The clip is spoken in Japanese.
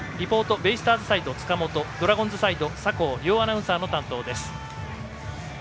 ベイスターズサイド、塚本ドラゴンズサイド酒匂、両アナウンサーの担当です。